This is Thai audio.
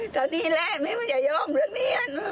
ตอนนี้แหละแม่ก็อย่ายอมตัวเนี่ย